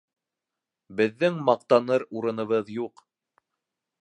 Беҙҙең маҡтаныр урыныбыҙ юҡ.